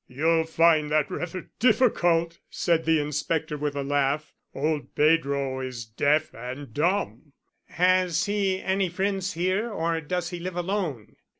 "You'll find that rather difficult," said the inspector with a laugh. "Old Pedro is deaf and dumb." "Has he any friends here, or does he live alone?"